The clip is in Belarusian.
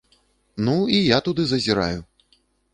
Ну і я туды зазіраю.